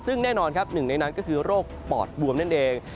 ซึ่งแน่นอนครับหนึ่งในนั้นก็คือโรคปอดบวมนั่นเอง